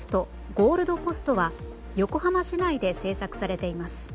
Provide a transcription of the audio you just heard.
ゴールドポストは横浜市内で製作されています。